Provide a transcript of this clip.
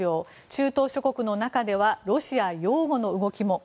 中東諸国の中ではロシア擁護の動きも。